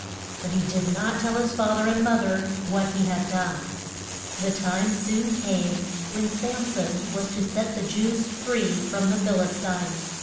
But he did not tell his fath er and moth er what he had done. The time soon came when Sam son was to set the Jews free from the Phil is tines.